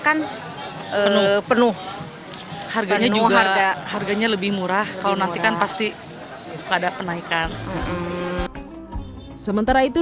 dengan penuh harganya juga harganya lebih murah kalau nantikan pasti pada penaikan sementara itu